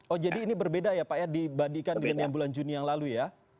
oh jadi ini berbeda ya pak ya dibandingkan dengan yang bulan juni yang lalu ya